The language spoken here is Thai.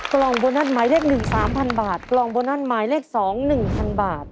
กล่องโบนัสหมายเลข๑๓๐๐๐บาทกล่องโบนัสหมายเลข๒๑๐๐๐บาท